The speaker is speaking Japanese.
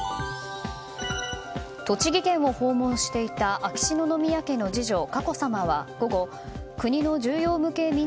栃木県を訪問していた秋篠家の次女・佳子さまは午後、国の重要無形民俗